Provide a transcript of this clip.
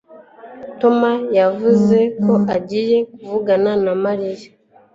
Tom yavuze ko agiye kuvugana na Mariya